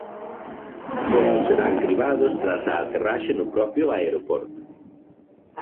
Todos serán cribados tras a aterraxe no propio aeroporto.